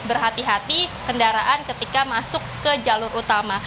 berhati hati kendaraan ketika masuk ke jalur utama